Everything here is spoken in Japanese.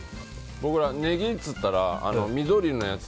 僕らネギっていったら緑のやつ。